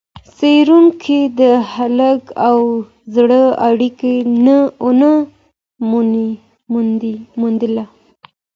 څېړونکو د هګۍ او زړه اړیکه ونه موندله.